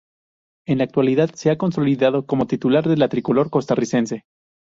En la actualidad, se ha consolidado como titular de la tricolor costarricense.